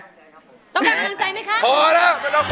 ต้องการกำลังใจไหมคะ